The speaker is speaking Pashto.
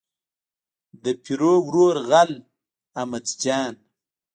د پیرو ورور غل احمد جان.